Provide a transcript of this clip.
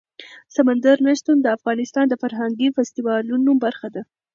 سمندر نه شتون د افغانستان د فرهنګي فستیوالونو برخه ده.